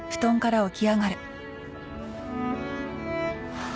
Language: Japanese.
ああ。